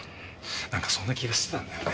なんかそんな気がしてたんだよね。